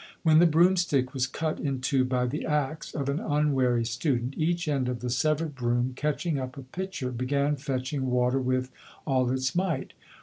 When the broom stick was cut in two by the axe of an unwary student, each end of the severed broom, catching up a pitcher, began fetching water with all its might.